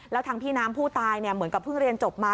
แล้วทางพี่น้ำผู้ตายเหมือนกับเพิ่งเรียนจบมา